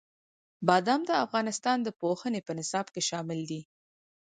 بادام د افغانستان د پوهنې په نصاب کې شامل دي.